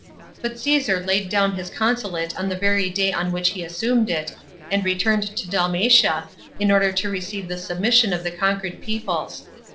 But Csesar laid down his consulate on the very day on which he assumed it, and returned to Dalmatia, in order to receive the sub mission of the conquered peoples.